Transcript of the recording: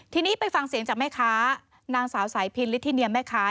ทีนี้ไปฟังเสียงจากแม่ค้านางสาวสายพินลิทิเนียมแม่ค้า